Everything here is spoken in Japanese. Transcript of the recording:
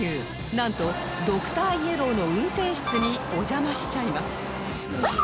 なんとドクターイエローの運転室にお邪魔しちゃいます